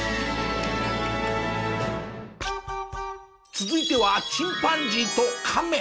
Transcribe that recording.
続いてはチンパンジーとカメ。